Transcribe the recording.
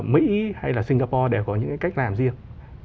mỹ hay là singapore đều có những cái cách làm riêng